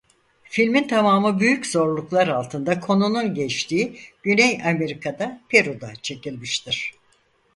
Filmin tamamı büyük zorluklar altında konunun geçtiği Güney Amerika'da Peru'da çekilmiştir.